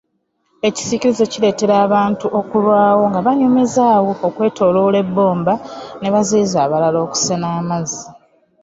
Ekisiikirize kireetera abantu okulwawo nga banyumiza awo okwetooloola ebbomba ne baziyiza abalala okusena amazzi.